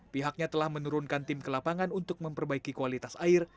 pihaknya telah menurunkan tim ke lapangan untuk memperbaiki kualitas air